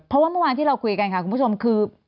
เพราะว่าเมื่อวานที่เราคุยกันค่ะคุณผู้ชมคือ